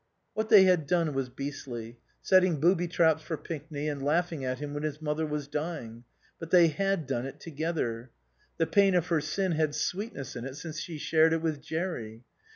What they had done was beastly setting booby traps for Pinkney, and laughing at him when his mother was dying but they had done it together. The pain of her sin had sweetness in it since she shared it with Jerry.